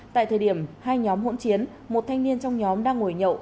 tại thời điểm hai nhóm hỗn chiến một thanh niên trong nhóm đang ngồi nhậu